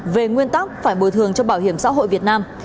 về nguyên tắc phải bồi thường cho bảo hiểm xã hội việt nam